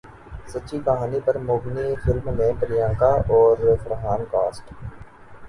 سچی کہانی پر مبنی فلم میں پریانکا اور فرحان کاسٹ